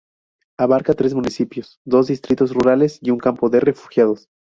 Abarca tres municipios, dos distritos rurales y un campo de refugiados.